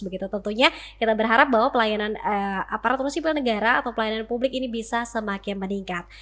begitu tentunya kita berharap bahwa pelayanan aparatur sipil negara atau pelayanan publik ini bisa semakin meningkat